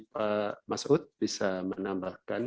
pak mas ud bisa menambahkan